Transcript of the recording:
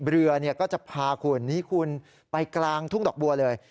เรือก็จะพาคุณนี่คุณไปกลางทุ่งดอกบัวเลย